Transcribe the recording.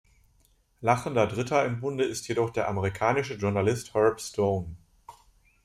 Lachender Dritte im Bunde ist jedoch der amerikanische Journalist Herb Stone.